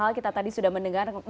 hal kita tadi sudah mendengar